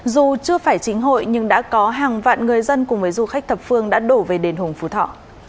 dù chưa phải chính hội nhưng đã có hàng vạn người dân cùng với du khách thập phương đã đổ về đền hùng phú thọ